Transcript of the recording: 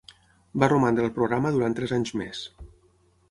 Va romandre al programa durant tres anys més.